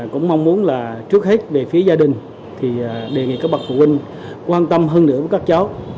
cũng mong muốn là trước hết về phía gia đình thì đề nghị các bậc phụ huynh quan tâm hơn nữa với các cháu